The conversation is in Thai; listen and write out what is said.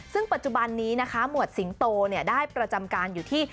ซึ่งปัจจุบันนี้นะคะหมวดสิงโตได้ประจำการอยู่ที่